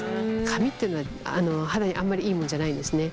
紙っていうのは肌にあんまりいいもんじゃないんですね。